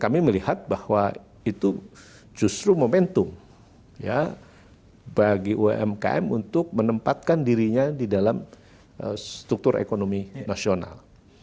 kami melihat bahwa itu justru momentum bagi umkm untuk menempatkan dirinya di dalam struktur ekonomi nasional